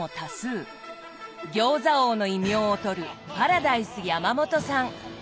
「餃子王」の異名をとるパラダイス山元さん。